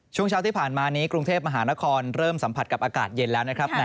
ช่วงเช้าที่ผ่านมานี้กรุงเทพมหานครเริ่มสัมผัสกับอากาศเย็นแล้วนะครับ